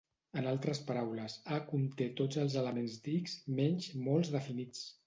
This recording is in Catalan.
En altres paraules, "A" conté tots els elements d'"X" menys molts de finits.